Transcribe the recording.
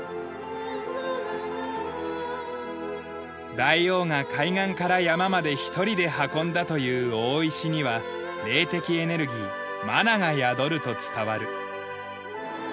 大王が海岸から山まで１人で運んだという大石には霊的エネルギーマナが宿ると伝わる。